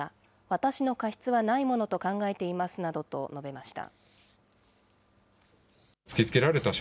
私の過失はないものと考えていますなどと述べました。